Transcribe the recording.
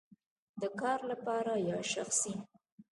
د کار لپاره یا شخصی؟